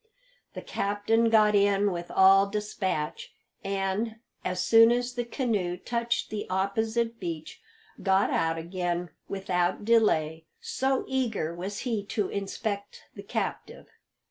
The captain got in with all despatch, and, as soon as the canoe touched the opposite beach, got out again without delay, so eager was he to inspect, the captive.